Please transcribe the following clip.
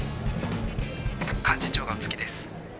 幹事長がお着きです。